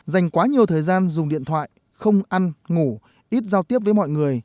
dành quá nhiều thời gian dùng điện thoại không ăn ngủ ít giao tiếp với mọi người